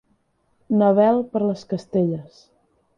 Na Bel per les Castelles.